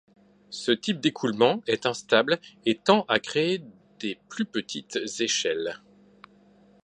Ce type d'écoulement est instable et tend à créer des plus petites échelles.